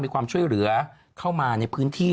ความช่วยเหลือเข้ามาในพื้นที่